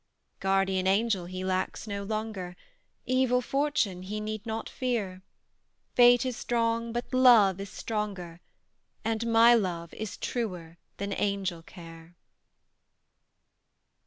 "Guardian angel he lacks no longer; Evil fortune he need not fear: Fate is strong, but love is stronger; And MY love is truer than angel care."